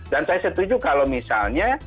dan saya setuju kalau misalnya